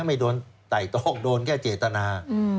ไม่โดนไต่ต้องโดนแค่เจตนา